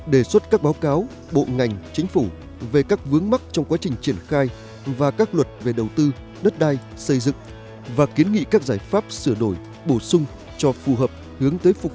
đề xuất các báo cáo bộ ngành chính phủ về các vướng mắc trong quá trình triển khai và các luật về đầu tư đất đai xây dựng và kiến nghị các giải pháp sửa đổi bổ sung cho phù hợp